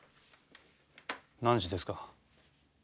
何時ですか？